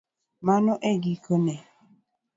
Mano e giko ne